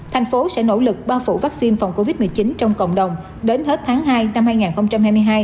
thành phố sẽ nỗ lực bao phủ vaccine phòng covid một mươi chín trong cộng đồng đến hết tháng hai năm hai nghìn hai mươi hai